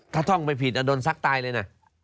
ถ้าท่องไม่ผิดโดนซักตายเลยนะ